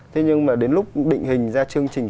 thế nhưng mà đến lúc định hình ra chương trình